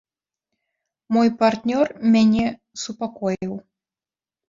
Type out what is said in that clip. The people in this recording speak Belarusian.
Мой партнёр мяне супакоіў.